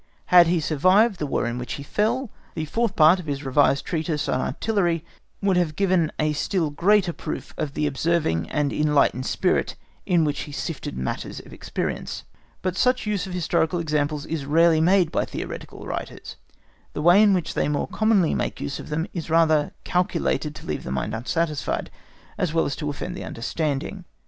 Had he survived the War in which he fell,(*) the fourth part of his revised treatise on artillery would have given a still greater proof of the observing and enlightened spirit in which he sifted matters of experience. But such use of historical examples is rarely made by theoretical writers; the way in which they more commonly make use of them is rather calculated to leave the mind unsatisfied, as well as to offend the understanding.